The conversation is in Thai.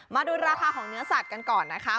มาดูราคาของเนื้อสัตว์กันก่อนนะคะ